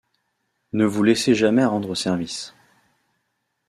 Ne vous laissez jamais rendre service.